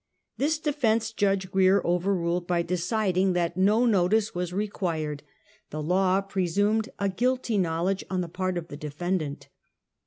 This defense Judge Grier overruled, by deciding that no notice was required, the law presumed a guilty knowledge on the part of defendant.